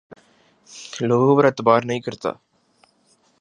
لوگوں پر اعتبار نہیں کرتا